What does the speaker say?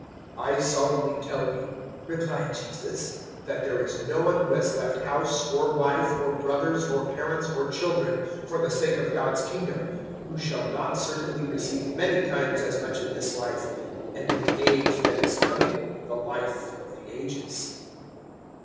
018:029 "I solemnly tell you," replied Jesus, "that there is no one who has left house or wife, or brothers or parents or children, for the sake of God's Kingdom, 018:030 who shall not certainly receive many times as much in this life, and in the age that is coming the Life of the Ages."